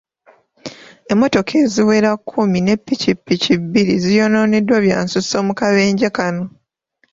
Emmotoka eziwera kkumi ne ppikipiki bbiri ziyonooneddwa byansusso mu kabenje kano.